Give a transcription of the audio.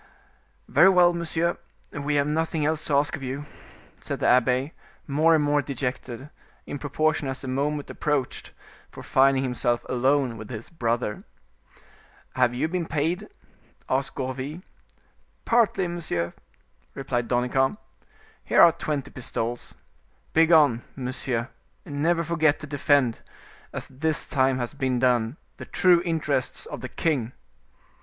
"Very well, monsieur, we have nothing else to ask of you," said the abbe, more and more dejected, in proportion as the moment approached for finding himself alone with his brother. "Have you been paid?" asked Gourville. "Partly, monsieur," replied Danicamp. "Here are twenty pistols. Begone, monsieur, and never forget to defend, as this time has been done, the true interests of the king."